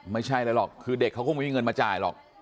ไม่ใช่อะไรหรอกคือเด็กเขาก็ไม่มีเงินมาจ่ายหรอก